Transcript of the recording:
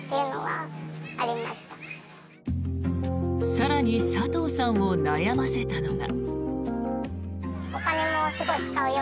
更に佐藤さんを悩ませたのが。